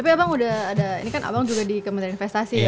ini kan abang juga di kementerian investasi